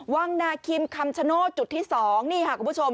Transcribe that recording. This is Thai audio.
วังนาคิมคำชโนธจุดที่๒นี่ค่ะคุณผู้ชม